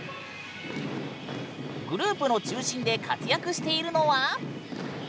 グループの中心で活躍しているのは。